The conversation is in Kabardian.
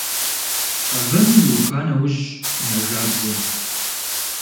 Къэвэн иуха нэужь мэжабзэ.